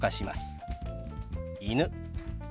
「犬」。